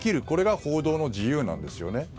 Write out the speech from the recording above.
これが報道の自由なんですね。